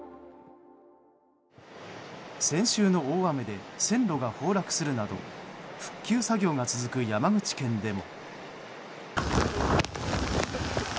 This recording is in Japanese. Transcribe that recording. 先週の大雨で線路が崩落するなど復旧作業が続く山口県でも。